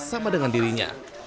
sama dengan dirinya